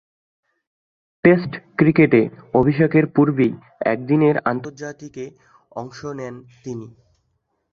Test ক্রিকেটে অভিষেকের পূর্বেই একদিনের আন্তর্জাতিকে অংশ নেন তিনি।